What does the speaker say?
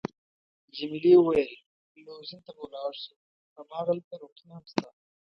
جميلې وويل:: لوزین ته به ولاړ شو، هماغلته روغتون هم شته.